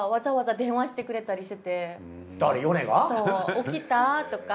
起きた？とか。